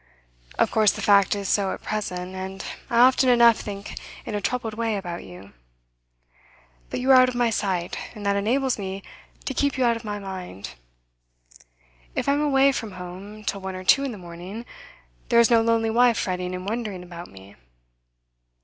Of course the fact is so at present, and I often enough think in a troubled way about you; but you are out of my sight, and that enables me to keep you out of mind. If I am away from home till one or two in the morning, there is no lonely wife fretting and wondering about me.